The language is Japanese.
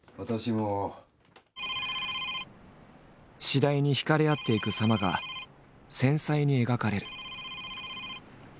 次第に惹かれ合っていくさまが繊細に描かれる。